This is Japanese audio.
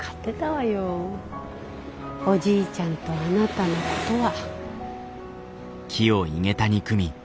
おじいちゃんとあなたのことは。